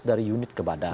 dari unit ke badan